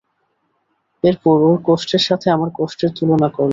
এরপর ওর কষ্টের সাথে আমার কষ্টের তুলনা করলাম।